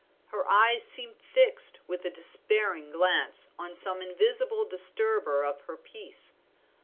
Her eyes seemed fixed with a despairing glance on some invisible disturber of her peace.